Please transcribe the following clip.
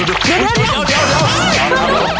เดี๋ยวเดี๋ยว